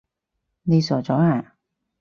你傻咗呀？